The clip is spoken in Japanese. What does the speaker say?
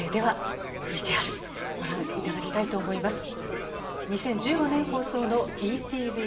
ではＶＴＲご覧頂きたいと思います。